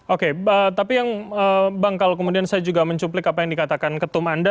oke tapi yang bang kalau kemudian saya juga mencuplik apa yang dikatakan ketum anda